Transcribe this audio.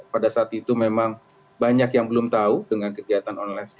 pada saat itu memang banyak yang belum tahu dengan kegiatan orlan scam ini